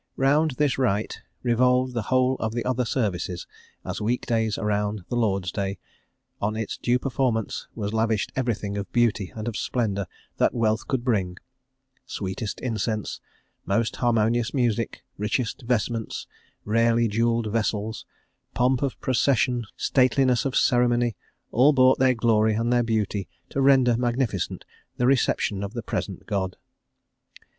Round this rite revolved the whole of the other services, as week days around the Lord's Day; on its due performance was lavished everything of beauty and of splendour that wealth could bring; sweetest incense, most harmonious music, richest vestments, rarely jewelled vessels, pomp of procession, stateliness of ceremony, all brought their glory and their beauty to render magnificent the reception of the present God.